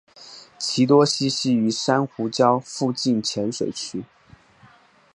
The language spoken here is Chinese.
其多栖息于珊瑚礁附近浅水区。